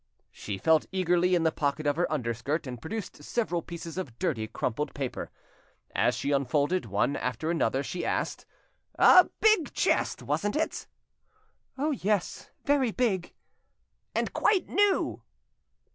She felt eagerly in the pocket of her underskirt, and produced several pieces of dirty, crumpled paper. As she unfolded one after another, she asked: "A big chest, wasn't it?" "Yes, very big." "And quite new?"